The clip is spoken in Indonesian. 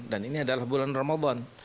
dan ini adalah bulan ramadan